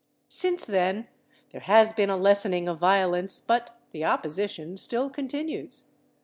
Since then there has been a lessening of violence, but the opposition still continues.